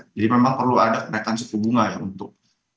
jadi memang perlu ada penaikan suku bunga untuk